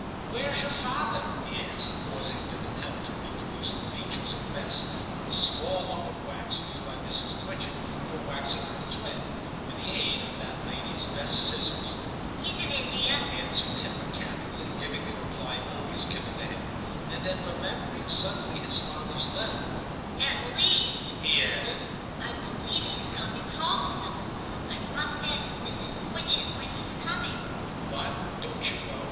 * Where's your father ?* he asked, pausing in an attempt to reproduce the features of Bess on a small lump of wax used by Mrs. Quitchett for waxing her thread, with the aid of that lady's best scissors. * He's in India,' answered Tim, mechanically giving the reply always given to him ; and £ 50 TIM CHAP. then remembering suddenly his father's letter, * At least/ he added, * I believe hes coming home soon. I must ask Mrs. Quitchett when he's coming.' ' What ! don't you know